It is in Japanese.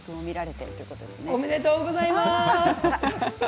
おめでとうございます。